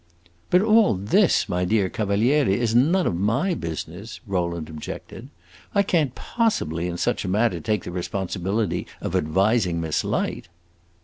"But all this, my dear Cavaliere, is none of my business," Rowland objected. "I can't possibly, in such a matter, take the responsibility of advising Miss Light."